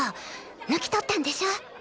抜き取ったんでしょ？